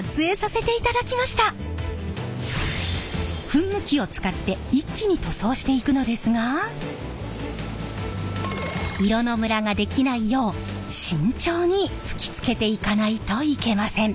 噴霧器を使って一気に塗装していくのですが色のムラができないよう慎重に吹きつけていかないといけません。